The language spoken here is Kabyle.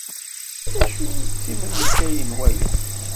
D acu i d-timental n waya?